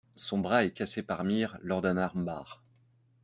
Son bras est cassé par Mir lors d'un armbar.